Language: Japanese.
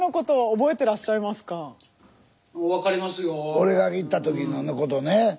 俺が行った時のことね。